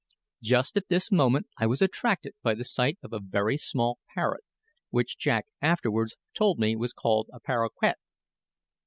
Just at that moment I was attracted by the sight of a very small parrot, which Jack afterwards told me was called a paroquet.